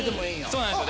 そうなんですよ。